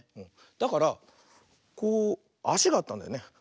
だからこうあしがあったんだよね。